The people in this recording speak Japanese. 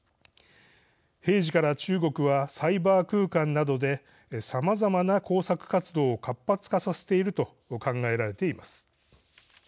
平時から中国はサイバー空間などでさまざまな工作活動を活発化させていると考えられています。